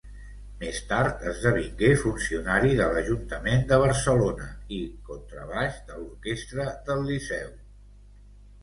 Més tard esdevingué funcionari de l'Ajuntament de Barcelona i contrabaix de l'Orquestra del Liceu.